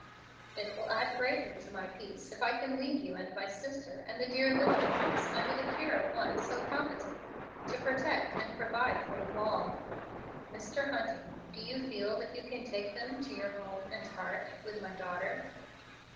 It will add greatly to my peace if I can leave you and my sister, and the dear little ones, under the care of one so competent to protect and provide for you all. Mr. Hunting, do you feel that you can take them to your home and heart, with my daughter?"